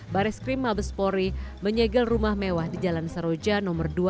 bareskrim mabespori menyegel rumah mewah di jalan saroja no dua